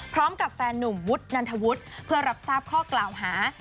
พร้อมกับแฟนนุ่มวุฒนันทวุฒิเพื่อรับทราบข้อกล่าวหา